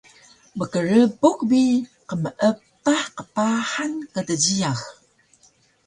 mkrbuk bi qmeepah qpahan kdjiyax